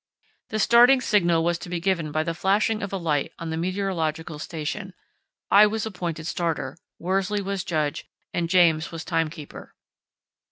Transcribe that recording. The starting signal was to be given by the flashing of a light on the meteorological station. I was appointed starter, Worsley was judge, and James was timekeeper.